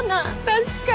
確かに！